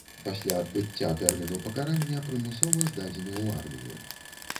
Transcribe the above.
Пасля адбыцця тэрміну пакарання прымусова здадзены ў армію.